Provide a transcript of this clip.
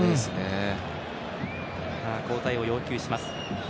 交代を要求します。